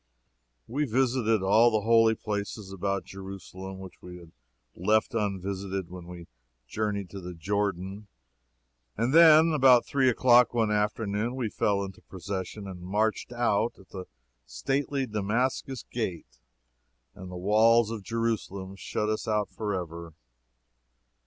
We visited all the holy places about Jerusalem which we had left unvisited when we journeyed to the Jordan and then, about three o'clock one afternoon, we fell into procession and marched out at the stately Damascus gate, and the walls of Jerusalem shut us out forever.